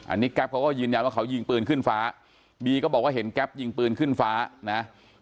อันนี้แก๊ปเขาก็ยืนยันว่าเขายิงปืนขึ้นฟ้าบีก็บอกว่าเห็นแก๊ปยิงปืนขึ้นฟ้านะ